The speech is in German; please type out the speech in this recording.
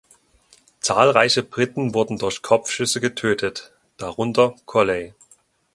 Zahlreiche Briten wurden durch Kopfschüsse getötet, darunter Colley.